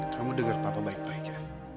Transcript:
kamu denger papa baik baik ya